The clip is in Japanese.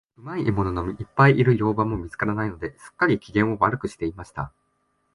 うまい獲物のいっぱいいる猟場も見つからないので、すっかり、機嫌を悪くしていました。